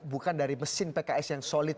bukan dari mesin pks yang solid